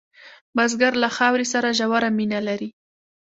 بزګر له خاورې سره ژوره مینه لري